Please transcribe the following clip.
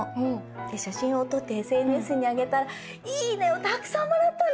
で写真を撮ってＳＮＳにあげたら「いいね！」をたくさんもらったの！